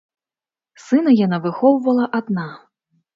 Сына яна выхоўвала адна.